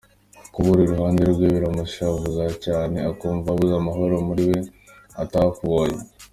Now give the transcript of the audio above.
Kukubura iruhande rwe biramushavuza cyane akumva abuze amahoro muri we atakubonye.